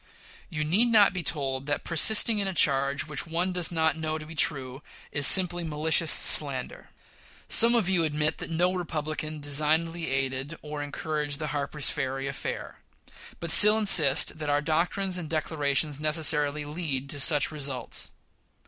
You need not be told that persisting in a charge which one does not know to be true is simply malicious slander. Some of you admit that no Republican designedly aided or encouraged the Harper's Ferry affair, but still insist that our doctrines and declarations necessarily lead to such results.